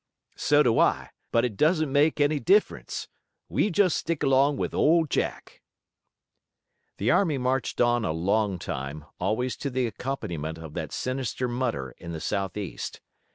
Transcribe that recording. "So do I, but it doesn't make any difference. We just stick along with Old Jack." The army marched on a long time, always to the accompaniment of that sinister mutter in the southeast.